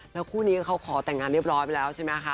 แล้วคู่นี้เขาขอแต่งงานเรียบร้อยไปแล้วใช่ไหมคะ